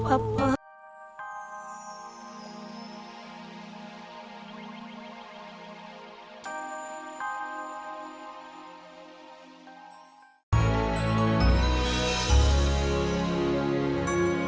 aku harus menguatkan sesuatu